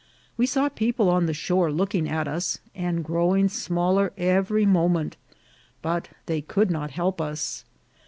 We saw the people on the shore looking at us, and growing smaller every moment, but they could not help us.